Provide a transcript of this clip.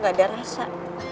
gak ada rasa